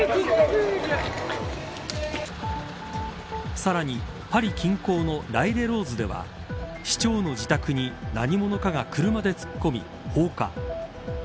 さらにパリ近郊のライレローズでは市長の自宅に何者かが車で突っ込み、放火。